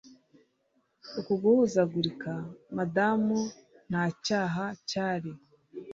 uku guhuzagurika, madamu, nta cyaha cyari